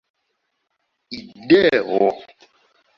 ideo